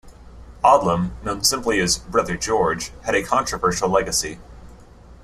Odlum, known simply as "Brother George", had a controversial legacy.